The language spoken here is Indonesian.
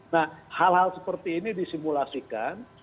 nah hal hal seperti ini disimulasikan